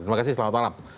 terima kasih selamat malam